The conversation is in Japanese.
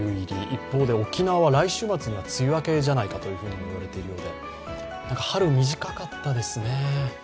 一方で沖縄は来週末には梅雨明けじゃないと言われているようで春、短かったですね。